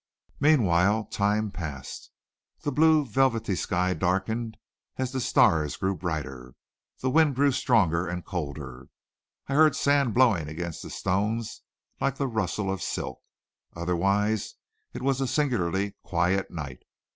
Meanwhile time passed. The blue, velvety sky darkened as the stars grew brighter. The wind grew stronger and colder. I heard sand blowing against the stones like the rustle of silk. Otherwise it was a singularly quiet night.